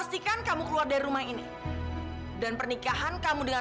sampai jumpa di video selanjutnya